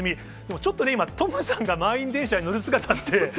ちょっと今、トムさんが満員電車に乗る姿って。